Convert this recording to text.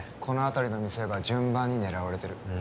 この辺りの店が順番に狙われてる